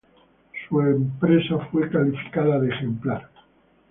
Su empresa fue calificada de ejemplar.